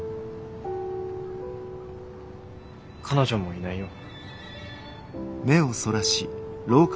彼女もいないよ。